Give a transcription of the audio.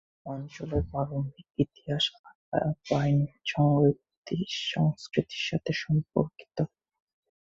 এই অঞ্চলের প্রারম্ভিক ইতিহাস আলপাইন সংস্কৃতির সাথে সম্পর্কিত।